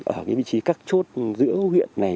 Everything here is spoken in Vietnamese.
ở cái vị trí cắt chốt giữa huyện này